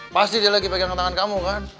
pasti dia lagi pegang tangan kamu kan